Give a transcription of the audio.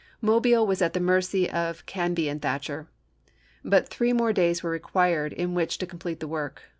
Mobile was at the mercy of Canby and Thatcher, but three more days were required in which to complete the work.